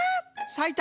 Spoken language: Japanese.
さいた！